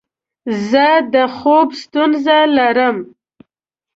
زه د خوب ستونزه لرم.